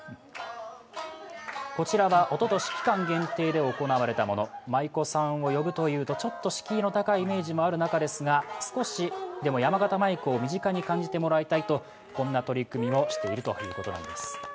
こちらはおととし期間限定で行われたもの舞子さんを呼ぶというと、ちょっと敷居の高いイメージのある中ですが少しでも、やまがた舞子を身近に感じてもらいたいとこんな取り組みをしているということなんです。